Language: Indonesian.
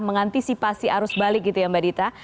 mengantisipasi arus balik gitu ya mbak dita